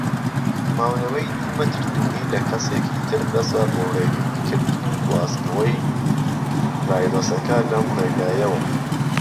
ماونەوەی دوو مەتر دووری لە کەسێکی تر بەسە بۆ ڕێگریکردنی گواسنەوەی ڤایرۆسەکە لەم ڕێگایەوە.